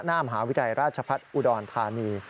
หน้ามหาวิทยาลัยราชพัฒน์อุดรธานี